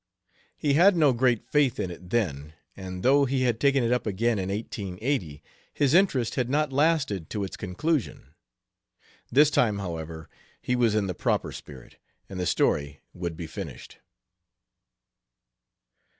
He had no great faith in it then, and though he had taken it up again in 1880, his interest had not lasted to its conclusion. This time, however, he was in the proper spirit, and the story would be finished.